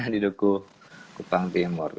di dukukupang timur